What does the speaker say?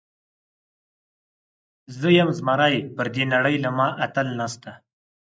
زه یم زمری، پر دې نړۍ له ما اتل نسته.